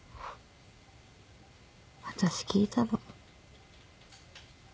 私聞いたの。